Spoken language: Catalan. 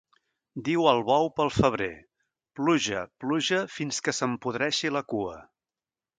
Diu el bou pel febrer: - Pluja, pluja, fins que se'm podreixi la cua.